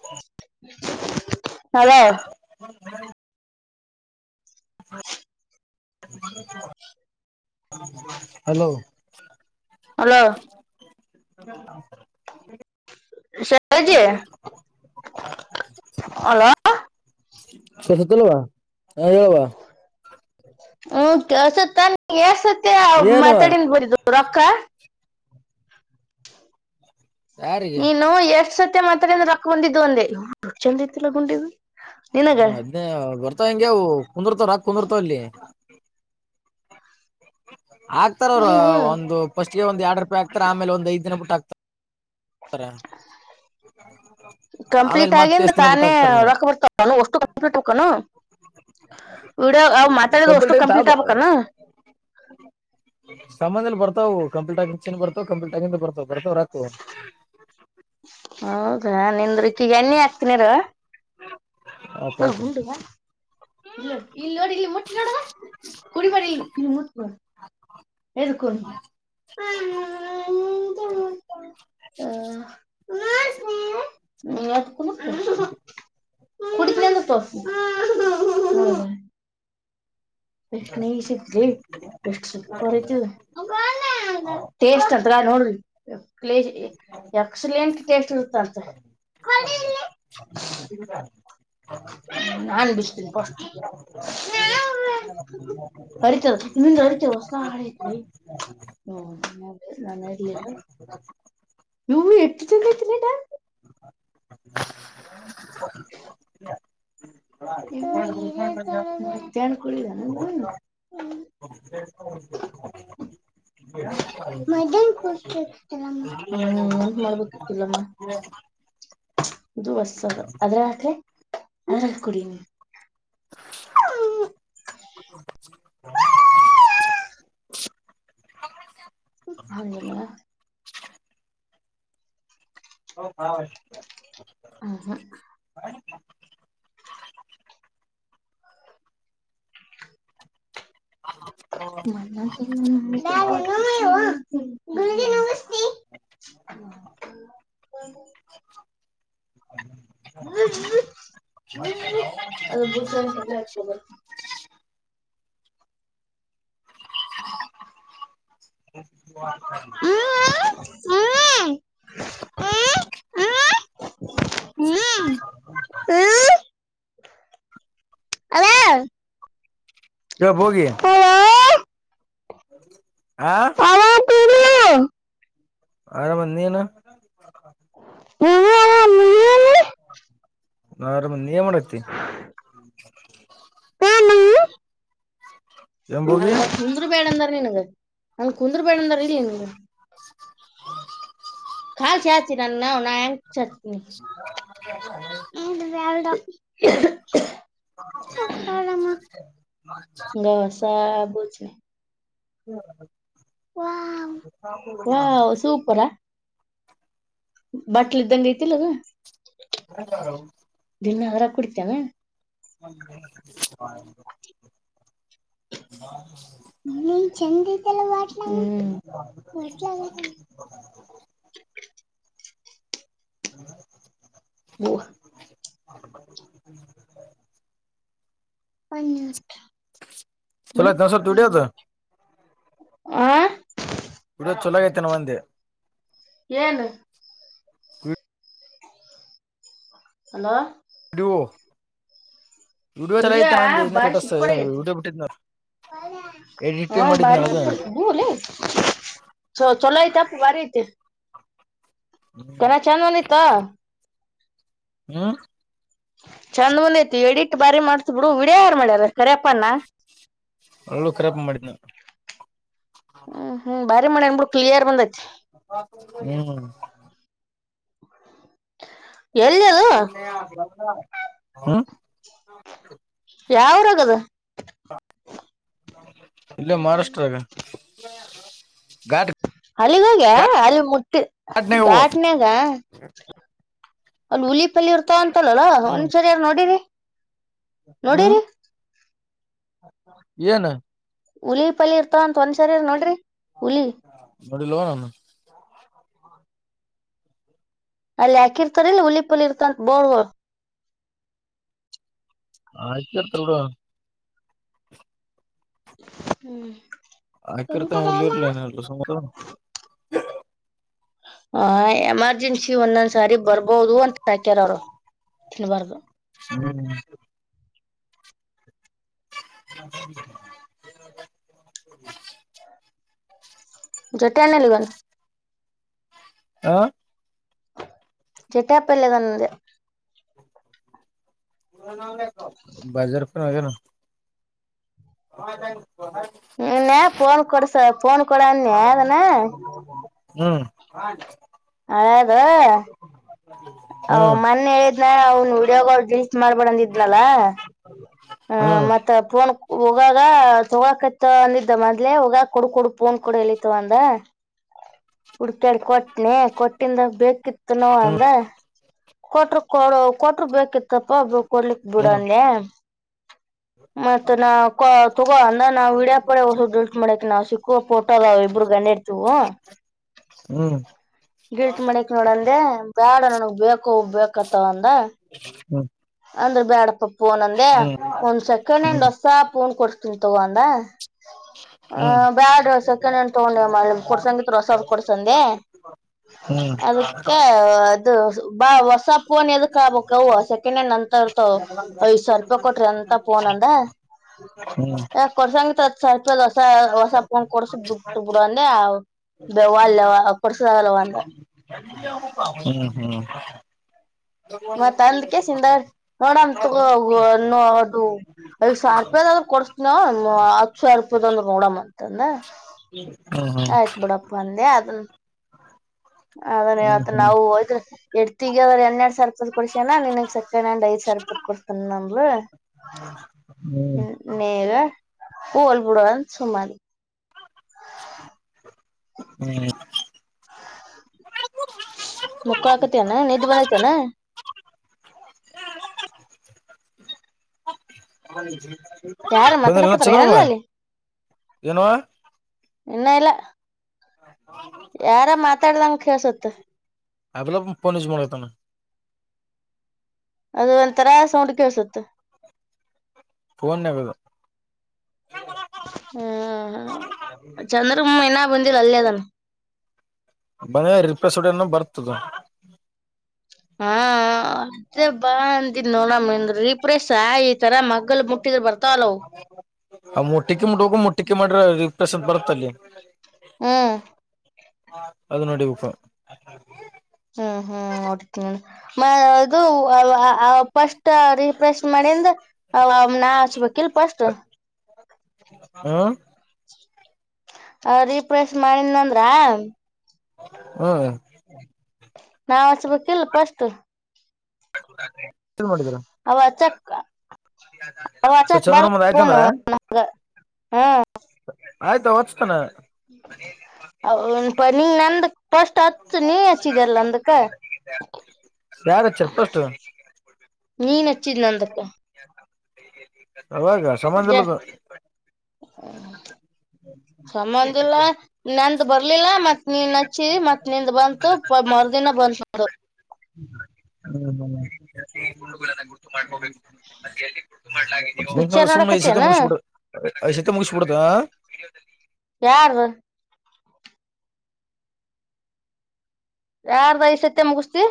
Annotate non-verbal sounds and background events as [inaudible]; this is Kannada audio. ಹ [inaudible] ಹಲೋ ಹಲೋ ಹಲೋ ಹ [unintelligible] ಶೈಲಜಿ ಹಲೋ [unintelligible] ಕಸ ತಲ್ಲವಾ [unintelligible] ಹ್ಮಾ ಕೆಲ್ಸುತ್ತ ನಿಂಗ್ ಕೆಲ್ಸುತ್ತ ಮತ್ತೆ ಏನುವ ಮಾತಾಡಿನ್ ಬಿಡಿದು ರೊಕ್ಕ ಯಾರಿಗೆ ನೀನು ಎಷ್ಟ್ ಸತಿ ಮಾತಾಡದ ಅಂದ್ರ ರೊಕ್ ಬಂದಿದ್ದು ಅಂದೆ ಓ ಎಷ್ಟ್ ಚಂದ ಐತಿಲ್ಲ ಗೊಂಡಿ ಇದು ನ ಹದ್ನೇ ಬರ್ತವ್ ಹಂಗೆವು ಕುಂದರ್ತಾವ ರೊಕ್ಕ ಕುಂದರ್ತಾವ ಅಲ್ಲಿ. ಆ ಆಕ್ತಾರ ಅವ್ರು ಹ್ಮ್ ಹ್ಮ್ ಒಂದು ಫಸ್ಟ್ಗೆ ಒಂದ ಎರಡ್ ರೂಪಾಯಿ ಆಗ್ತ ಆಮೇಲೆ ಒಂದ್ ಐದು ದಿನ ಬಿಟ್ಟ ಆಗ್ತಾರೆ. ಅರ. ಆಮೇಲೆ ಕಂಪ್ಲೀಟ್ ಮತ್ತೇ ಆಗಿಂದ ಎಸ್ ದಿನ ತಾನೇ ಬಿಟ್ಟಾಕ್ತಾರ ಏನು. ರೊಕ್ಕ ಬರ್ತಾವನು ಅಷ್ಟು ಕಂಪ್ಲೀಟ್ ಹಕ್ಕನು ವಿಡಿಯೋ ಅವ್ ಮಾತಾಡಿದ ಅಷ್ಟು ಕಂಪ್ಲೀಟ್ [unintelligible] ಆಗ್ಬೇಕನು ಸಂಬಂಧ ಇಲ್ಲ ಬರ್ತಾವ ಕಂಪ್ಲೀಟ್ ಆಗ ಚೆನ್ ಬರ್ತಾವ ಕಂಪ್ಲೀಟ್ ಆಗಿ ದ ಬರ್ತಾವ ಬರ್ತಾವ ರೊಕ್ಕ. ಹೌದಾ ನಿಂದ್ರ ಈಕೆಗೆ ಎಣ್ಣಿ ಹಾಕ್ತನಿರು. ಹ ಉಂಡುವ. [inaudible] ಇಲ್ಲಿ ನೋಡಿ ಇಲ್ಲಿ ಮುಟ್ಟ ನೋಡ ಬಾ ಕುಡಿ ಬ್ಯಾಡ ಇಲ್ ಇಲ್ಲಿ ಮುಟ್ ನೋಡು. ಎದುಕುನ್ ಹ ನೋಡ್ತಿನಿ ನೀ ಸುಮುಕ್ ಕುಡಿ ಕುಡೀತೀನಿ ಅಂದ್ರೆ ತೋರಿಸ್ತಿನಿ ಎಷ್ಟ್ ನೈಸ್ ಅಯ್ತೆ ಎಷ್ಟ್ ಸೂಪರ್ ಆಯ್ತ್ ಇದು ಟೇಸ್ಟ್ ಅಂತ ನೋಡ್ರಿ ಕ್ಲ ಎಕ್ಸಲೆಂಟ್ ಟೇಸ್ಟ್ ಇರುತ್ತಂತೆ ಕೊಡು ಇಲ್ಲಿ ಹೌ ಫಸ್ಟ್ [inaudible] ಹರಿತದ ನಿಂದ ಹರಿತದ [inaudible] ಹೊಸ ಹಡಾಯಿತ್ಲೇ ಹೋ ನಾನ್ ಇರ್ಲಿಲ್ಲ ಯವ್ವಿ ಎಷ್ಟು ಚಂದ ಆಯ್ತಾಲಿ ಇದ ಇದು ಈಗ ಇತಳ [unintelligible] ತಣ ಕುಡಿ ಜ [unintelligible] ಹ [inaudible] ಮದ್ಯಾನ ಕುಡ್ಸಬೇಕಿತ್ತಾಲಮ್ಮ ಹ್ಮ್ ಮತ್ ಮಾಡ್ಬೇಕಿತ್ತಲ್ಲಮ್ಮ ಇದು ಹೊಸದ ಅದ್ರಲ್ ಅಕ್ಲೆ ಅದ್ರಲ್ ಕುಡಿ ನೀನು [inaudible] ಹೌದೆನ ಹ ಹ [unintelligible] ಹುಹ್ಮ್ ನಾನೆ ನುಂಗ್ಲಿ ಯವ್ವ ಗುಳ್ಗಿ ನುಂಗುಸ್ತಿ ಹ್ಮ [inaudible] ಹ್ಮ್ಹ್ಮ್ ಒಂದು ಅದು ಗೋಚಕ್ಕೆಲ್ಲ ಆಗ್ಬದ [unintelligible] [inaudible] ಹ್ಮ್ ಹ್ಮ ಹ್ಮ್ ಹ್ಮ್ ಹ್ಮ ಹಲೋ ಲೋ ಬೋಗಿ ಆ ಕಡ [unintelligible] ಆರಾಮ್ ನೀನು ಹ್ಮ ನಾ ಆರಾಮಂದಿ ಮಾಡತಿ ಏನ್ ಬೋಗಿ ಅಂಗ ಕುಂದ್ರ ಬೇಡ ಅಂದ್ರ ನಿನ್ಗ ನನ್ ಕುಂದ್ರ ಬೇಡ ಅಂದಾರ ಇಲ್ಲಿ ನಿನ್ಗ ಕಾಲ್ಸಿಯಚರನ್ನ ನಾಯಂ ಚಟ್ನಿ ನಂದು ಬ್ಯಾಡ ಗಸಡ್ ಗೋಚಿನ್ ಹ್ಮ ವಾವ್ ವಾವ್ ಸೂಪರಾ ಬಾಟ್ಲಿ್ದಂಗೈತಿ ಅಗ [unintelligible] ನ್ನ ಅದರ ಕುಡ್ತೇವೆ [inaudible] ನೀನ್ ಚಂದತಲ್ಲ ವಾಟ್ಲಾ ಹ್ಮ್ ವಾಟ್ಲಾವ [inaudible] ಹ್ಮ ಭುವ [inaudible] ಅನ್ನು ಚಲೋ ಐತಿ ಸ್ವಲ್ಪ ಹ್ಮ್ ವಿಡಿಯೋದು ಆ ವಿಡಿಯೋ ಚೆಲೋ ಅಯ್ತೆನವ ಅಂದೆ ಏನು ಹಲೋ ವಿಡೋ ವಿಡಿಯ ಚಲ ವಿಡಿಯೋ ಐತೆ ನ ಸ್ಟೇಸ್ ವಿಡಿಯೋ ಬಿಟ್ಟನ ಹ ಬಾರಿಿಸಪುು ಚ ಚಲೋ ಐತೆ ಅಪ್ಪ ವಾರಿ ಐತೆ ಕಣ ಚಾನಲ್ ಇತ್ತ ಹ್ಮ್ ಚಂದ್ ಬಾನ್ ಐತಿ ಎಡಿಟ್ ಬಾರಿ ಮಾಡ್ತಿ ಬಿಡು ವಿಡಿಯೋ ಯಾರು ಮಾಡ್ಯಾರ ಕರಿಪ್ಪಾನ ಅವ್ಳು ಕರಿಯಪ್ಪ್ ಮಾಡಿದ್ನಾ ನಿಂಬಾಡೆಂಬುಡು ಕ್ಲಿಯರ್ ಬಂದೈತಿ ಹ್ಮ್ ಎಲ್ಲಿದು ಹ ಯಾವ್ರ ಆಗದು ಇಲ್ಲೇ ಮಹಾರಾಷ್ಟ್ರಾಗ ಗಾಡ್ ಅಲ್ಲಿಗಾಗ ಅಲ್ ಮುಟ್ಟ ಘಾಟ್ನಾಗವು ಘಾಟ್ನ್ಯಾಗ ಅಲ್ ಹುಲಿಪಲ್ಲಿ ಇರ್ತಾವ ಅಂತಲ್ಲಲ್ಲಾ ಒಂದ್ ಸರಿಯಾರ ನೋಡರಿ ಹಾ ಏನು ಹುಲಿ ಪಲ್ ಇರ್ತ ಅಂತ ಒಂದ್ಸರಿ ನೋಡ್ರಿ ಹುಲಿ ಬಡಿ ಲೋನನು ಅಲ್ಲಿ ಹಾಕಿರ್ತಾರಲ್ಲ ಹುಲಿಪಲಿ ಇರ್ತಂತ ಬೋರ್ಡ್ಗಳು ಹಾಕಿರ್ತಾರ್ ಬಿಡು ಹ್ಮ್ ಆಗಿತ್ತಾ ಹುಲಿರಲ್ಲ ಏನಿಲ್ಲ ಸುಮ್ ಕೂತ್ಕೊಳಮ್ಮ ಹ ಎಮರ್ಜೆನ್ಸಿ ಒಂದೊಂದ್ ಸಾರಿ ಬರ್ಬೋದು ಅಂತ ಹಾಕ್ಯಾರ ಅವರು ತಿನ್ಬಾರದು ಹ್ಮ್ ಜೊಟಿ ನಲಿಗನು ಹಾ ಜಟಾ ಪಲೆದಂದದೆ ಬಾಜಾರ್ಪ ಆನು ಹೌದ ಇನ್ಯ ಫೋನ್ ಕೊಡ್ಸ ಫೋನ್ ಕೊಡನ್ ಅಗನ ಹ್ಮ್ ಹಳೇದು ಅವ್ ಹ್ಮ್ ಮೊನ್ನೆ ಹೇಳಿದ್ನ ಅವ್ನ್ ವಡಿಯೋ ಕಾಲ್ ೀಸ್ ಮಾಡ್ಬಿಡಂದ ಇದ್ನಲ್ಲ ಹ ಹ್ಮ್ ಮತ್ತ ಪನ್ ಒೋಗಾಗ ತಗೋಕತ್ ಅಂದಿದ್ದ ಮದ್ಲೆ ಒೋಗಾಗ ಕೊಡು ಕೊಡು ಪ ಅನ್ ಕೊಡ ಎಿತವ ಅಂದ ಹಡ್ಕಾಡ್ ಕೊಟ್ಟ ಕೊಟ್ಟಿಂದ ಬೇಕಿತ್ತುನು ಹ್ಮ್ ಅಂದ ಕೊಟರು ಕೊಡು ಕೊಟರು ಬೇಕಿತ್ತು ಕಪ್ಪಬ್ಬ ಕೊಡ್ಲಿಕ್ ಬಿಡಂದೆ ಹ ಮತ್ತತ್ ನಾ ತಗೋ ಅಂದ ನಾವವು ವೀಡಿಯೋ ಪಡೆ ಹೊಸ ಡಿಲೀಟ್ ಮಾಡಕ್ ನಾವವು ಸಿಕ್ಕ ಫೋಟೋದ ಇಬ್ರಗ್ ಬ್ಣೆ ಎಡ್ತವ ಹ್ಮ ಗಿರ್ಟ್ ಮಣಿಕ್ ನೋಡಂದೆ ಬ್ಯಾಡ ನನಗ್ ಬೇಕು ಹಬ್ ಬತ್ತವ ಅಂದ ಹ್ಮ ಅಂದ್ರ ಬ್ಯಾಡಪ್ಪ ಫೋನ್ ಅಂದೆ ಒಂದ್ ಸೆಕೆಂಡ್ ಹ್ಯಾಂಡ್ ಹ್ಮ್ ಹ್ಮ್ ಹ್ಮ್ ಹ್ಮ್ ಹ್ಮ್ ಹ್ಮ್ ಹ್ಮ್ ಹ್ಮ್ ಹೊಸ ಪಫೋನ್ ಕೊಡ್ತೀನ್ ತಗಂದ ಹ ಬ್ಯಾಡ ಸೆಕೆಂಡ್ ಹ್ಯಾಂಡ್ ತಗೊಂಡೆ ಮ ಕೊಡ್ಸಂಗಿತ್ ರಸದ ಕೊಡ್ಸಂದೆ ಅದಕ್ಕೆ ಅದು ಬಾ ಹೊಸ ಪೂನಿ ಅದಕ್ ಆಬವುಸೆ ನಂತರ್ತ ಐದ್ ಸಾವಿರ ರೂಪಾಯಿ ಕೊಟ್ರಿ ಅಂತ ಪೋನಂದ ಹ ಕೊಡ್ಸಂಗ ಸತ್ ಹೊಸ ಹೊಸ ಪೊಂಡ ಕೊಡ್ಸ ದುಡ್ ಬಿಡುವಂದೆ ಆ ಬೆವಲ್ಲ ಕುರ್ಸಾಗಲ್ಲವಾಂದ ಹ್ಮ್ ಹ್ಮ್ ಮತ್ತ ಅಂದ್ ಕೆಸಿಂದ ನೋಡೋ ಅದು ಐ ಸಾವಿ ರೂಪಾಯದ್ರ್ ಕೊಡ್ಸತನ ಹತ್ತು ಸಾವಿ ರೂಪಾಯ್ ಅಂದ್ರ ನೋಡ್ ಅಂತ ಆಯ್ತ್ ಬಿಿಡಪ್ಪ ಅಂದೆ ಅದನ್ ಅದ್ರ ಮತ್ ನಾವು ಹಯ್ ಎಡ್ತಿಗ ಅದ್ರ ಎನ್ನೆರಡ್ ಸಾವರ್ ಇಪ ಕೊಡ್ಸ್ಯನ ನಿನ್ಗ್ ಸೆಕೆಂಡ್ ಹ್ಯಾಂಡ್ ಐದ್ ಸರ್ಪತ್ ಕೊಡ್ತನ ನಮ್ಲು ಹ್ಮ್ ನರ ಬಲ್ ಬಿಡವ ಸುಮ್ಮಾರಿ ಹ್ಮ್ ಮ ಕಳಕತನಾ ನೀದ ಬನ್ನಾಯತ ನ ಯಾರ ಬಂದಲ್ಲ ಮಾತಾಡ್ಕತಾರ ಚಂದ್ರಮ್ಮ ಏನಲ್ಲ ಅಲ್ಲಿ ಏನೋ ಇನ್ನ ಎಲ್ಲ ಯಾರ ಮಾತಾಡಲಂಗ ಕೇಳಸುತ್ತ ಕುತ್ತ ಅಲ್ಲ ಪನಿಜ ಮಾಡಡತಾನ ಅದು ಒಂಂತರಾ ಸೌಂಡ್ ಕೆಸುತ್ತ ಫನ್ ನಾಗದ ಹ್ಮ ಚಂದ್ರಮ್ಮ ನ ಬಂದಿಲ್ಲ ಅಲ್ಲಿ ಅದನ್ ಮನ ರಿಪ್ಲೇಸ್ಡನ ಬರ್ತದ ಹ್ಮ ಮತ್ತೆ ಬಾ ಅಂದಿ ನೋಣಮನ್ ಪ್ರಸ ಈ ತರ ಮಲ್ ಮುಟ್ಟಿದ್ರ ಬರ್ತಾವಲವು ಮುಟ್ಟಿಕ ಮುಟ್ಟ ಹೋಗ ಮುಟ್ಟಿಕೆ ಮಾಡ್ರ ರಿಪ್ರಸನ್ಟ್ ಬರತ್ತಲ್ಲಿ ಹ್ಮ್ ಅದು ನೋಡಿಬೇಕಪ್ಪ ಹ್ಮ್ ಹ್ಮ್ ನಡ್ತೀ ಅದು ಪಫಸ್ಟ್ ರರಿಫ್ರೆಶ್ ಮಾಡಿಂದ ಹೌ ಅ ನ ವಕೀಲ ಸ್ಪಷ್ಟ ಹ್ಮ್ ಆ ರೀಪ್ಲೇಸ್ ಮಾಡನ್ಂದ್ರ ಹ್ಮ ನಾ ಹಚ್ಬೇಕಿಲ್ಲ ಪಸ್ಟ್ ತ [inaudible] ಅವ ಚಕ್ಕ ಸೊ ಚಂದ್ರ ಮುಂದ ಆಯ್ತಂದ್ರ ಆಯ್ತಾ ಹೊಚ್್ತಾನ ಹಪ ನೀ ನಂದು ಫಸ್ಟ್ ಹತ್ ನೀ ಹಚ್ಚಿದೆಲ್ಲ ಅಂದಕ ಯಾರ ಚರ್ಪ್ಪಷ್ಟು ನೀನ್ಚ್ಚಿದನ ಅಂದಕ್ಕ ಅವವಾಗ ಜ ಸಮಬಂಧಲ್ಲದು ಸಂಬಂದಿಲ್ಲ ನಂದ ಬರ್ಲಿಲ್ಲ ಮತ್ ನೀನ್ ನಚ್ಚಿದ ಮತ್ ನಿಂದ ಬಂತು ಮ ದಿನ ಬಂದ್ ಮಾಡು ಹ್ಮ ಹ್ಮ [unintelligible] ಸ ಸುಮ್ಮನೆ ಈ ಸತ್ತ ನೋಡಕತ್ತೇನ ಮುಗಿಸಿಬಿಡ ಸತೆ ಮುಗಿಸಬ ಬಿಡುದ ಯಾರ ಯಾರ್ದ ಈ ಸತ್ತ ಮುಗಿಸತಿ